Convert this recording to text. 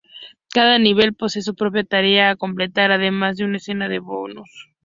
Cada nivel posee su propia tarea a completar, además de una escena de bonus.